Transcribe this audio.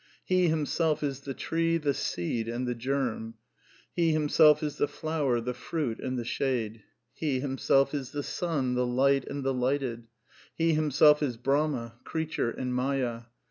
He Himself is the tree, the seed, and the germ. He Himself is the flower, the fruit, and the shade. He Himself is the sun, the light and the lighted. He Himself is Brahma, creature, and Maya.